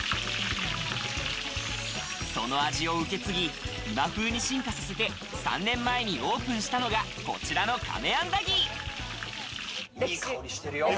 その味を受け継ぎ、今風に進化させて３年前にオープンしたのがこちらのＫＡＭＥＡいい香りしてるよ。